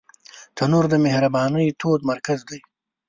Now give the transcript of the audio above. تنور د مهربانۍ تود مرکز دی